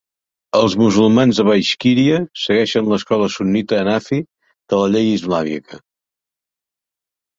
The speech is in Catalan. Els musulmans de Baixkíria segueixen l'escola sunnita Hanafi de la llei islàmica.